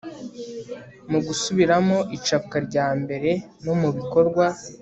mu gusubiramo icapwa rya mbere no mu bikorwa